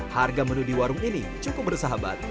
harga menu di warung ini cukup bersahabat